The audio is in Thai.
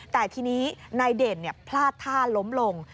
แต่ทีนี้นายเด่นพลาดท่าล้มลง